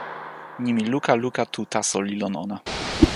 nimi luka luka tu taso li lon ona.